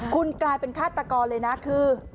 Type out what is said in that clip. คุณกลายเป็นฆาตกรเลยนะคือ